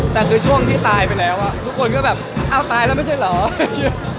แต่คือช่วงที่ตายไปแล้วทุกคนก็แบบอ้าวตายแล้วไม่ใช่เหรอ